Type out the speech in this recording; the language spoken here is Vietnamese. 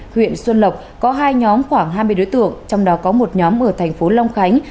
huyện xuân lộc có hai nhóm khoảng hai mươi đối tượng trong đó có một nhóm ở thành phố long khánh